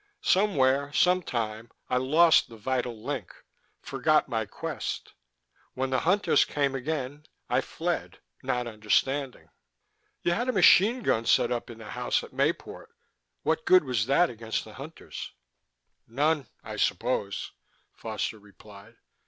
Somewhere, some time, I lost the vital link, forgot my quest. When the Hunters came again, I fled, not understanding." "You had a machine gun set up in the house at Mayport. What good was that against the Hunters?" "None, I suppose," Foster replied.